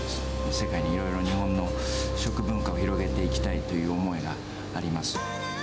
世界にいろいろ日本の食文化を広げていきたいという思いがあります。